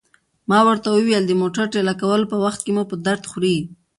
ما ورته وویل: د موټر ټېله کولو په وخت کې مو په درد خوري.